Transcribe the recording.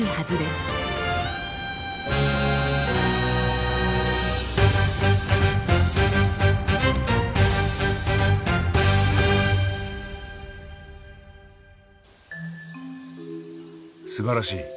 すばらしい。